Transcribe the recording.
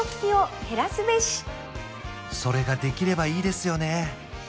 それができればいいですよね